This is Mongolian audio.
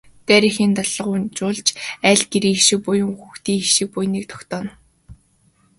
Дарь эхийн даллага уншуулж айл гэрийн хишиг буян, үр хүүхдийн хишиг буяныг тогтооно.